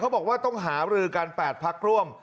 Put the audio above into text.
เขาบอกว่าต้องหารือการแปดพักร่วม